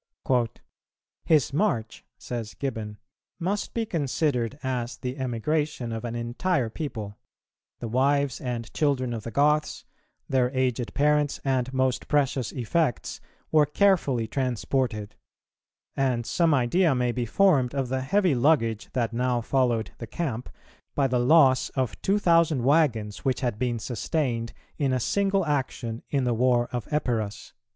"His march," says Gibbon,[277:4] "must be considered as the emigration of an entire people; the wives and children of the Goths, their aged parents, and most precious effects, were carefully transported; and some idea may be formed of the heavy luggage that now followed the camp by the loss of two thousand waggons, which had been sustained in a single action in the war of Epirus."